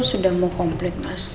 sudah mau komplit mas